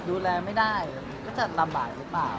ดูแลไม่ได้ก็จะลำบากหรือเปล่า